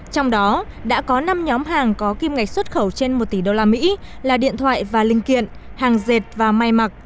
trong đó đã có năm nhóm hàng có kim ngạch xuất khẩu trên một tỷ usd là điện thoại và linh kiện hàng dệt và may mặc